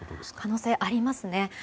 可能性、ありますね。